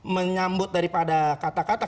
menyambut daripada kata kata